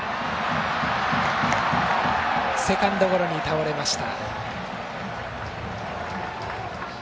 セカンドゴロに倒れました。